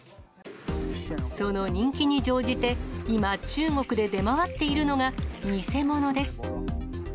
その人気に乗じて、今、中国で出回っているのが、偽物です。